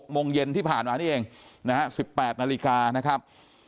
โมงเย็นที่ผ่านมานี่เองนะฮะ๑๘นาฬิกานะครับ